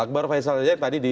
akbar faisal tadi di